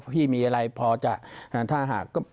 พี่มีอะไรพอจะถ้าหากก็